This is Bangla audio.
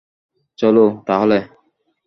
চলো, তাহলে।